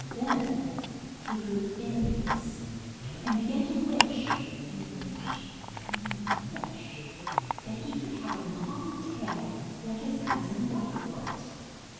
Then he grew envious and began to wish and wish and wish that he could have a long tail like his cousin Whitefoot.